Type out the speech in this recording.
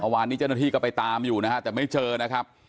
วันนี้เจ้าหน้าที่ก็ไปตามอยู่นะฮะแต่ไม่เจอนะครับ